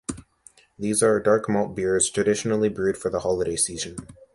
These are dark malt beers traditionally brewed for the holiday season.